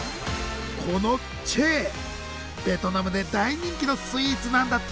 ベトナムで大人気のスイーツなんだって。